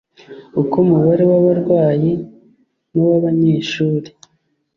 Uko umubare wabarwayi nuwabanyeshuri